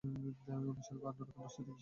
উনি স্বর্গ আর নরকের অস্তিত্বে বিশ্বাস করেন।